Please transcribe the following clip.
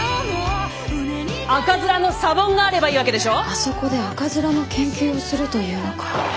あそこで赤面の研究をすると言うのか。